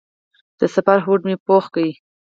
د سفر هوډ مې پوخ کړ.